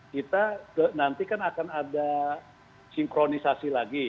kita nanti kan akan ada sinkronisasi lagi